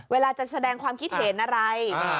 เวลาจะแสดงความคิดเห็นอะไร